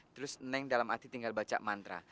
terus neng dalam arti tinggal baca mantra